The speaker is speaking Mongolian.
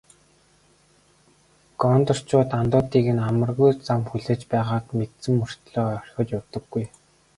Гондорчууд андуудыг нь амаргүй зам хүлээж байгааг мэдсэн мөртөө орхиод явдаггүй.